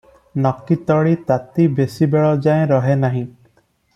ନକିତଳି ତାତି ବେଶି ବେଳ ଯାଏ ରହେ ନାହିଁ ।